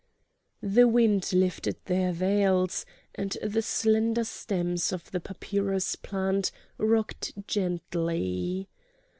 The wind lifted their veils, and the slender stems of the papyrus plant rocked gently.